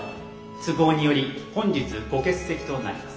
都合により本日ご欠席となります。